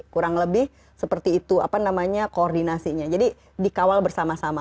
kurang lebih seperti itu apa namanya koordinasinya jadi dikawal bersama sama